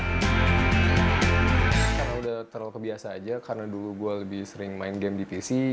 karena udah terlalu kebiasa aja karena dulu gue lebih sering main game di pc